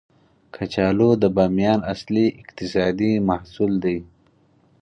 کچالو د بامیان اصلي اقتصادي محصول دی